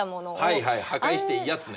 はいはい破壊していいやつね。